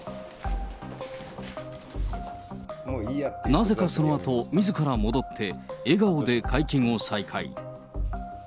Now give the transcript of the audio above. なぜかそのあと、みずから戻って、笑顔で会見を再開。